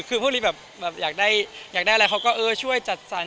คือพวกฤทธิ์อยากได้อะไรเขาก็ช่วยจัดสรร